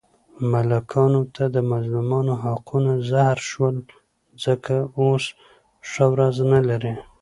ملکانو ته د مظلومانو حقونه زهر شول، ځکه اوس ښه ورځ نه لري.